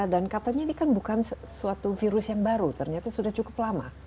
dan katanya ini kan bukan suatu virus yang baru ternyata sudah cukup lama